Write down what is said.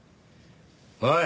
おい！